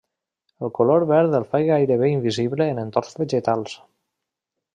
El color verd el fa gairebé invisible en entorns vegetals.